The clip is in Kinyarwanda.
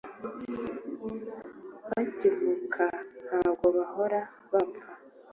bakivuka, ntabwo bahora bapfa,